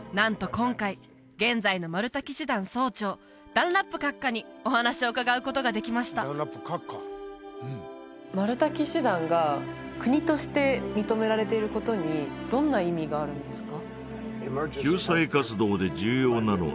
今回現在のマルタ騎士団総長ダンラップ閣下にお話を伺うことができましたマルタ騎士団が国として認められていることにどんな意味があるんですか？